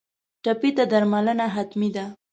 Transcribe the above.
ټپي ته درملنه حتمي ده.